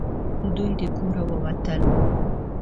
دوی د کوره ووتل .